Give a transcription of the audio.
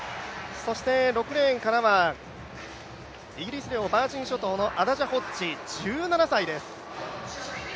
そして、６レーンからはイギリス領バージン諸島のホッジ、１７歳です。